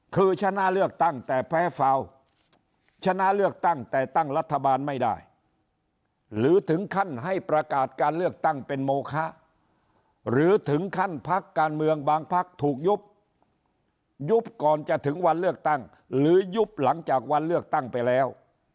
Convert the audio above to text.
คือชนะเลือกตั้งแต่แพ้ฟาวชนะเลือกตั้งแต่ตั้งรัฐบาลไม่ได้หรือถึงขั้นให้ประกาศการเลือกตั้งเป็นโมคะหรือถึงขั้นพักการเมืองบางพักถูกยุบยุบก่อนจะถึงวันเลือกตั้งหรือยุบหลังจากวันเลือกตั้งไปแล้ว